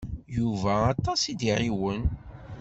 Yuba aṭas i d-iɛiwen.